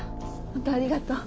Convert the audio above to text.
本当ありがとう。